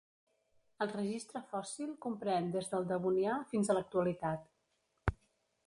El registre fòssil comprèn des del Devonià fins a l'actualitat.